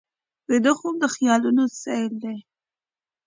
ویده خوب د خیالونو سیل دی